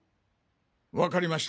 分かりました。